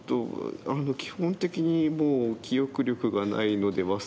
基本的にもう記憶力がないので忘れる。